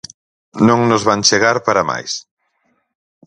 Non nos van chegar para máis.